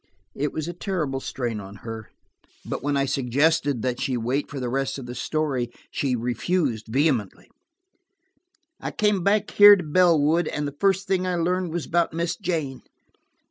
It was a terrible strain for her, but when I suggested that she wait for the rest of the story she refused vehemently. "I came back here to Bellwood, and the first thing I learned was about Miss Jane.